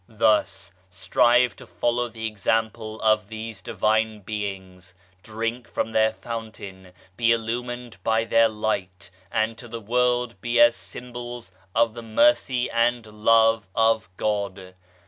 Thus, strive to follow the example of these Divine beings, drink from their fountain, be illumined by their Light, and to the world be as symbols of the .Mercy and Love of God.